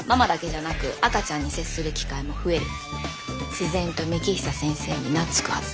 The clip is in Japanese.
自然と幹久先生に懐くはず。